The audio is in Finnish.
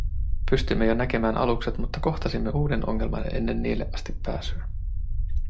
Pystyimme jo näkemään alukset, mutta kohtasimme uuden ongelman ennen niille asti pääsyä.